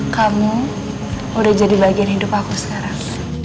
kamu udah jadi bagian hidup aku sekarang